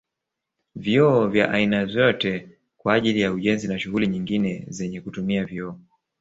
Vioo vya aina vyote kwa ajili ya ujenzi na shughuli nyingine zenye kutumia vioo